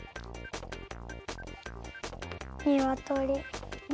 ニワトリ！？